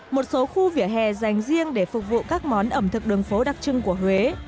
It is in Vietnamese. một số khu vỉa hè dành riêng để phục vụ các món ẩm thực đường phố đặc trưng của huế